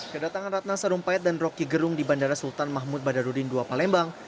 kedatangan ratna sarumpait dan roky gerung di bandara sultan mahmud badarudin ii palembang